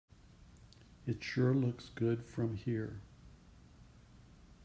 It sure looks good from here.